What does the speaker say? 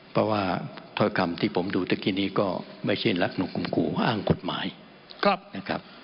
เพราะว่าถ้อยคำที่ผมดูเมื่อกี้นี้ก็ไม่ใช่รักหนูข่มขู่อ้างกฎหมายนะครับ